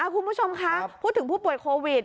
คุณผู้ชมคะพูดถึงผู้ป่วยโควิด